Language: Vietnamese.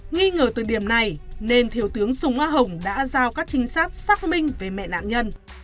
nghi ngờ từ điểm này nên thiếu tướng sùng a hồng đã giao các trinh sát xác minh về mẹ nạn nhân